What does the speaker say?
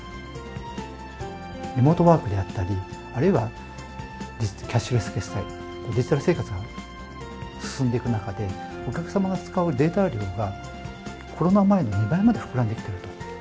リモートワークであったり、あるいはキャッシュレス決済、デジタル生活が進んでいく中で、お客様の使うデータ量が、コロナ前の２倍まで膨らんできていると。